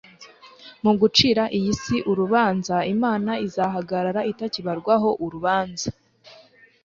Mu gucira iyi si urubanza, Imana izahagarara itakibarwaho urubanza